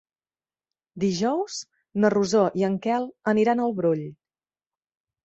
Dijous na Rosó i en Quel aniran al Brull.